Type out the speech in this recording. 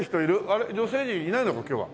あれっ女性陣いないのか今日は。